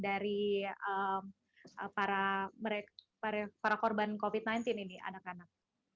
dari para korban covid sembilan belas ini anak anak